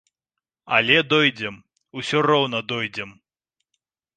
Але дойдзем, усё роўна дойдзем!